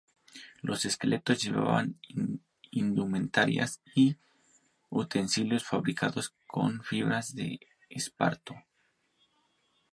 Los esqueletos llevaban indumentaria y utensilios fabricados con fibra de esparto.